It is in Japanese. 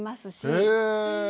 へえ！